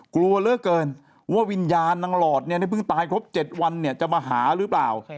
กลัวเหลือเกินว่าวิญญาณนางหลอดเนี่ยได้เพิ่งตายครบ๗วันจะมาหาหรือเปล่า